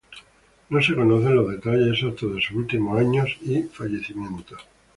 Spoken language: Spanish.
No se conocen los detalles exactos de sus últimos años y fallecimiento.